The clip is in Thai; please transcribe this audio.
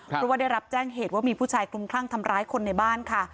เพราะว่าได้รับแจ้งเหตุว่ามีผู้ชายคลุมคลั่งทำร้ายคนในบ้านค่ะ